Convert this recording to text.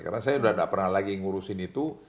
karena saya udah gak pernah lagi ngurusin itu